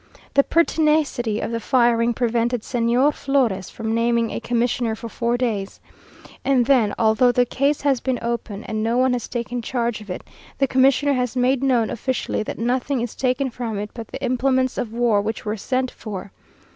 The pertinacity of the firing prevented Señor Flores from naming a commissioner for four days, and then, although the case has been open, and no one has taken charge of it, the commissioner has made known officially that nothing is taken from it but the implements of war which were sent for.